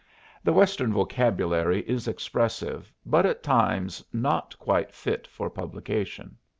The Western vocabulary is expressive, but at times not quite fit for publication.